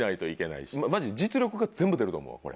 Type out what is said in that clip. マジ実力が全部出ると思うこれ。